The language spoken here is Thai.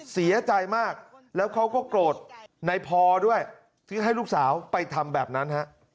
เสียใจมากแล้วเขาก็โกรธนายพอด้วยที่ให้ลูกสาวไปทำแบบนั้นฮะ